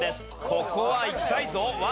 ここはいきたいぞ。